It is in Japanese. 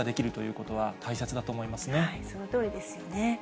そのとおりですよね。